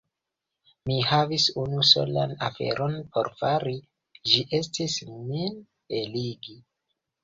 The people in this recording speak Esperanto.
Mi havis unu solan aferon por fari: ĝi estis, min eligi.